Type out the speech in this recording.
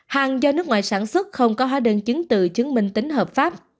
hàng do nước ngoài sản xuất không có hóa đơn chứng từ chứng minh tính hợp pháp